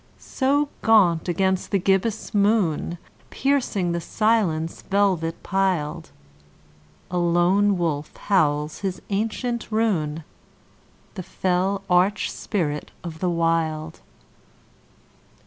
So gaunt against the gibbous moon, Piercing the silence velvet piled, A lone wolf howls his ancient rune— The fell arch spirit of the Wild.